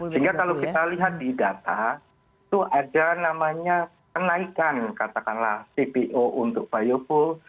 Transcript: sehingga kalau kita lihat di data itu ada namanya kenaikan katakanlah cpo untuk bioful